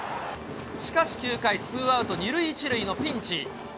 しかし９回、ツーアウト２塁１塁のピンチ。